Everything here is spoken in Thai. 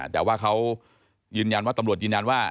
แต่ว่าเขายืนยันว่าตำรวจยืนยันว่า